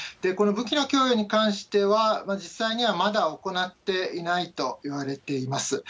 この武器の供与に関しては、実際にはまだ行っていないといわれています。